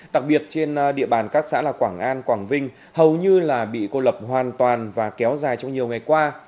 đặc biệt trên địa bàn các xã là quảng an quảng vinh hầu như là bị cô lập hoàn toàn và kéo dài trong nhiều ngày qua